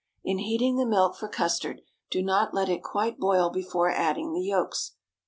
In heating the milk for custard, do not let it quite boil before adding the yolks.